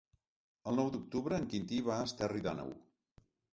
El nou d'octubre en Quintí va a Esterri d'Àneu.